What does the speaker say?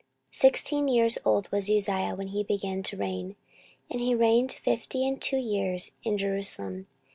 14:026:003 Sixteen years old was Uzziah when he began to reign, and he reigned fifty and two years in Jerusalem.